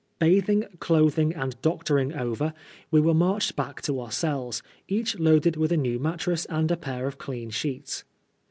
Bathing, clothing, and doctoring over, we were marched back to our cells, each loaded with a new mat tress and a pair of clean sheets.